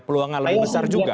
peluangan lebih besar juga